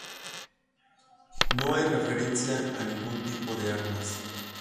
No hay referencia a ningún tipo de armas.